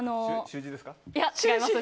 違います。